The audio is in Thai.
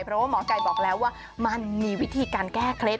เพราะว่าหมอไก่บอกแล้วว่ามันมีวิธีการแก้เคล็ด